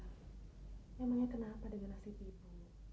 emangnya kenapa dengan nasib ibu